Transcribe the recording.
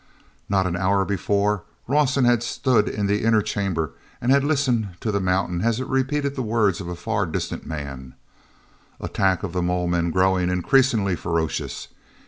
Not an hour before, Rawson had stood in the inner chamber and had listened to the mountain as it repeated the words of a far distant man: "Attack of the mole men growing increasingly ferocious